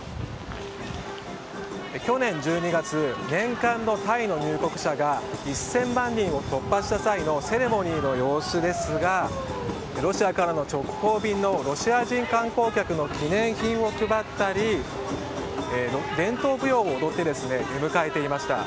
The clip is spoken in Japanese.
去年１２月年間のタイの入国者が１０００万人を突破した際のセレモニーの様子ですがロシアからの直行便のロシア人観光客の記念品を配ったり伝統舞踊を踊って出迎えていました。